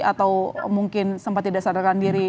atau mungkin sempat tidak sadarkan diri